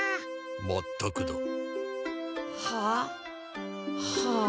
まったくだ。はあ？はあ。